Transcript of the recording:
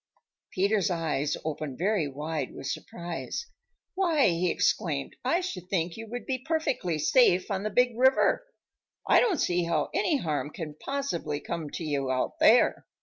Peter's eyes opened very wide with surprise. "Why," he exclaimed, "I should think you would be perfectly safe on the Big River! I don't see how any harm can possibly come to you out there."